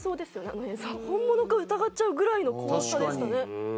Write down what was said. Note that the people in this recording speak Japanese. あの映像本物か疑っちゃうぐらいの怖さでしたね